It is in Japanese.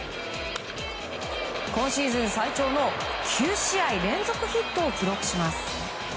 今シーズン最長の９試合連続ヒットを記録します。